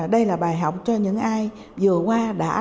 đây là bài học cho những ai vừa qua đã làm người lãnh đạo